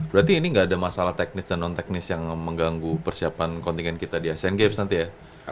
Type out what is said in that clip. berarti ini nggak ada masalah teknis dan non teknis yang mengganggu persiapan kontingen kita di asian games nanti ya